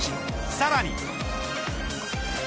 さらに。